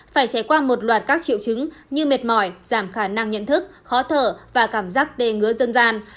phải trải qua một loạt các triệu chứng như mệt mỏi giảm khả năng nhận thức khó thở và cảm giác đề ngứa dân gian